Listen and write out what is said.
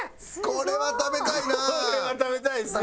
これは食べたいです。